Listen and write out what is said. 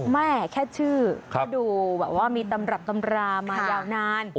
แม่แค่ชื่อก็ดูแบบว่ามีตำรับตำรามายาวนาน